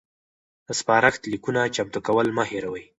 د سپارښت لیکونو چمتو کول مه هیروئ.